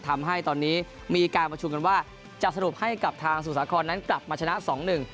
ทำให้ตอนนี้มีการประชุมกันว่าจะสรุปให้กับทางสมุทรสาครนั้นกลับมาชนะสองหนึ่ง